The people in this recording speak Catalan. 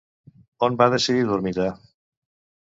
On va decidir dormitar?